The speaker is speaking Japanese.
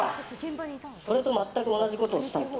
それと全く同じことをしたいと。